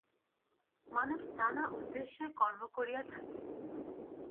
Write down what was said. মানুষ নানা উদ্দেশ্যে কর্ম করিয়া থাকে।